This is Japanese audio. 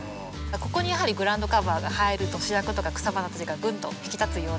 ここにやはりグラウンドカバーが入ると主役とか草花たちがぐんと引き立つよという形で。